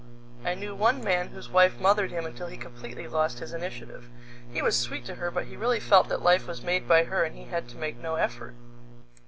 I knew one man whose wife mothered him until he completely lost his initiative. He was sweet to her, but he really felt that life was made by her and he had to make no effort.